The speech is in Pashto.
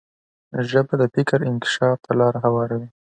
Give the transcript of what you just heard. ژبه د فکر انکشاف ته لار هواروي.